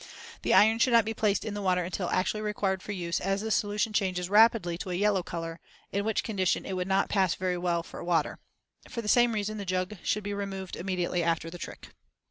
The iron should not be placed in the water until actually required for use, as the solution changes rapidly to a yellow color, in which condition it would not very well pass for water. For the same reason the jug should be removed immediately after the trick.